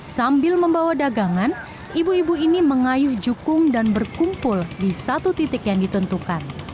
sambil membawa dagangan ibu ibu ini mengayuh jukung dan berkumpul di satu titik yang ditentukan